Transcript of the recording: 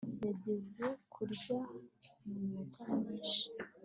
yageze hakurya muminota myinshi